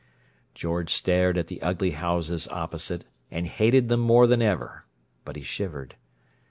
George stared at the ugly houses opposite, and hated them more than ever; but he shivered.